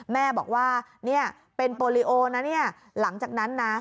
แม่บอกว่าเป็นโปรลิโอนะหลังจากนั้นนะ